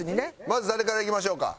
まず誰からいきましょうか。